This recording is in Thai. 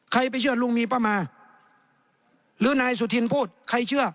ไปเชื่อลุงมีป้ามาหรือนายสุธินพูดใครเชื่อ